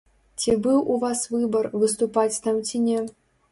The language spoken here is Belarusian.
Ці быў у вас выбар, выступаць там ці не?